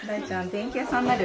電気屋さんになる？